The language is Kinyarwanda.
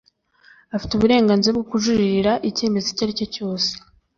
Afite uburenganzira bwo kujuririra icyemezo icyo ari cyose